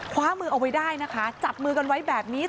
คว้ามือเอาไว้ได้นะคะจับมือกันไว้แบบนี้